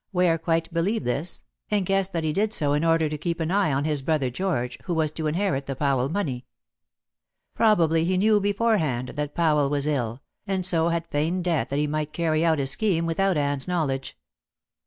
Ware quite believed this, and guessed that he did so in order to keep an eye on his brother George, who was to inherit the Powell money. Probably he knew beforehand that Powell was ill, and so had feigned death that he might carry out his scheme without Anne's knowledge.